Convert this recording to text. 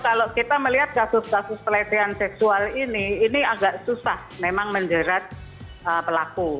kalau kita melihat kasus kasus pelecehan seksual ini ini agak susah memang menjerat pelaku